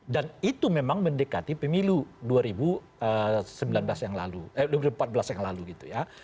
dan itu memang mendekati pemilu dua ribu empat belas yang lalu gitu ya